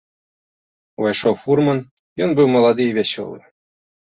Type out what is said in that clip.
Увайшоў фурман, і ён быў малады і вясёлы.